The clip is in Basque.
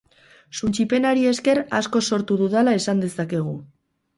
Suntsipenari esker asko sortu dudala esan dezakegu.